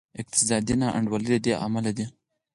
اقتصادي نا انډولي له دې امله ده.